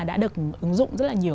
đã được ứng dụng rất là nhiều